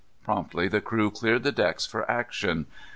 Promptly the crew cleared the decks for action.